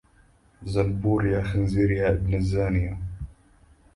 زنبور يا خنزير يا ابن الزانية